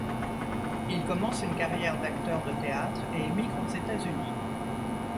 Il commence une carrière d'acteur de théâtre et émigre aux États-Unis.